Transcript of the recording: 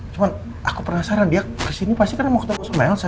cuma aku penasaran dia kesini pasti karena mau ketemu sama elsa